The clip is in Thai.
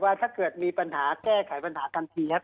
ถ้าเกิดมีปัญหาแก้ไขปัญหาทันทีครับ